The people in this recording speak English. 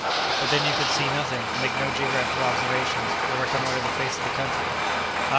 "But then you could see nothing, make no geographical observations, or reconnoitre the face of the country." "Ah!"